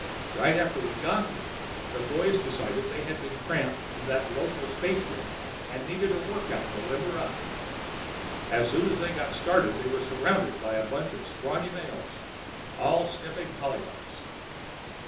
Right after we got here, the boys decided they had been cramped in that local spaceship and needed a workout to limber up. As soon as they got started, they were surrounded by a bunch of scrawny males, all sniffing hollyhocks.